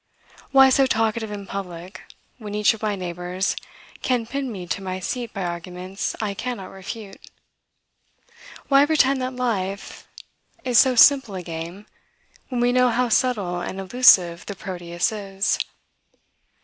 Why so talkative in public, when each of my neighbors can pin me to my seat by arguments I cannot refute? Why pretend that life is so simple a game, when we know how subtle and elusive the Proteus is?